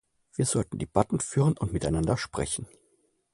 Wir sollten Debatten führen und miteinander sprechen.